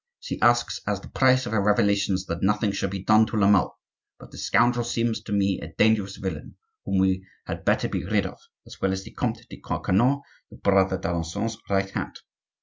She asks, as the price of her revelations that nothing shall be done to La Mole; but the scoundrel seems to me a dangerous villain whom we had better be rid of, as well as the Comte de Coconnas, your brother d'Alencon's right hand.